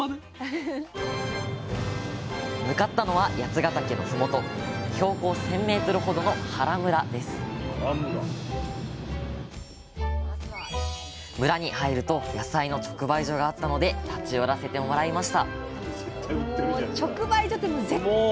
向かったのは八ヶ岳のふもと標高１，０００ｍほどの原村です村に入ると野菜の直売所があったので立ち寄らせてもらいましたスタジオもう直売所って絶対行きたいですよね。